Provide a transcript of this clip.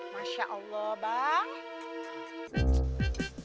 masya allah bang